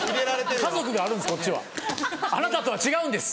家族があるんですこっちはあなたとは違うんです。